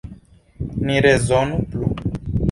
Ni rezonu plu.